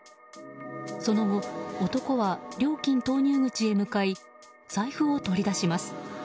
その後、男は料金投入口へ向かい財布を取り出します。